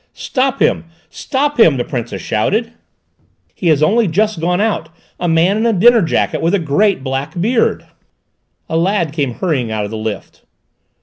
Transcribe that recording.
"Stop him! Stop him!" the Princess shouted. "He has only just gone out: a man in a dinner jacket, with a great black beard!" A lad came hurrying out of the lift.